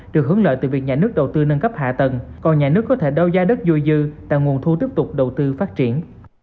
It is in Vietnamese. được hướng lợi từ việc nhà nước đầu tư nâng cấp hạ tầng còn nhà nước có thể đau gia đất dôi dư tại nguồn thu tiếp tục đầu tư phát triển